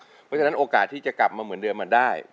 เพราะฉะนั้นโอกาสที่จะกลับมาเหมือนเดิมมันได้